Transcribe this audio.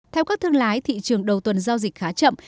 theo các thương lái thị trường đầu tuần giao dịch khá chậm